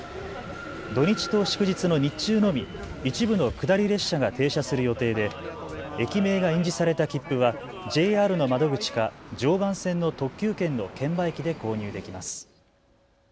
土日と祝日の日中のみ一部の下り列車が停車する予定で駅名が印字された切符はＪＲの窓口か常磐線の特急券の券売機で購入できます。